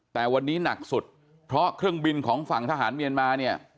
แต่วันนี้หนักสุดเพราะเครื่องบินของฝั่งทหารเมียนมาเนี่ย